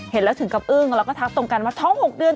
เห็นแล้วถึงกับอึ้งแล้วก็ทักตรงกันว่าท้อง๖เดือน